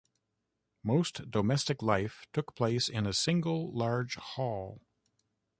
Most domestic life took place in a single large hall.